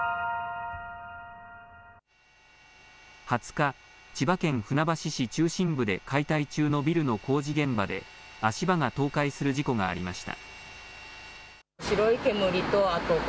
２０日、千葉県船橋市中心部で解体中のビルの工事現場で足場が倒壊する事故がありました。